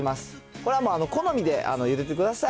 これは好みでゆでてください。